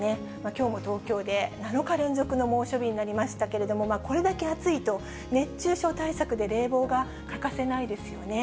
きょうも東京で７日連続の猛暑日になりましたけれども、これだけ暑いと、熱中症対策で冷房が欠かせないですよね。